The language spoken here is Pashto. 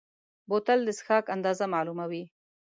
بوتل د څښاک اندازه معلوموي.